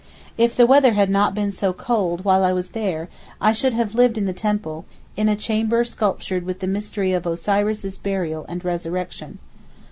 If the weather had not been so cold while I was there I should have lived in the temple, in a chamber sculptured with the mystery of Osiris' burial and resurrection.